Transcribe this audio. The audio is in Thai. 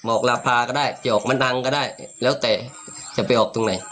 ออกราภาก็ได้จะออกมาดังก็ได้แล้วแต่จะไปออกตรงไหน